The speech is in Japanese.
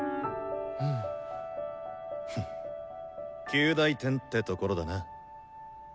及第点ってところだな。